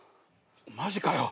マジかよ